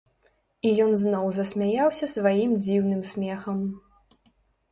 І ён зноў засмяяўся сваім дзіўным смехам.